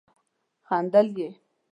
خندل يې.